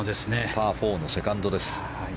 パー４のセカンドです。